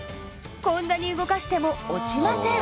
こんなに動かしても落ちません。